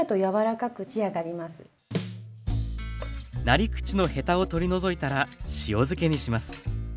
なり口のヘタを取り除いたら塩漬けにします。